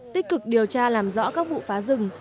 tích cực điều tra làm rõ các vụ phá rừng